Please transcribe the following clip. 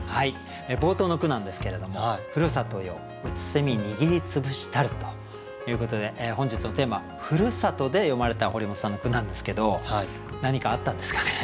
冒頭の句なんですけれども「ふるさとよ空握りつぶしたる」ということで本日のテーマ「故郷」で詠まれた堀本さんの句なんですけど何かあったんですかね？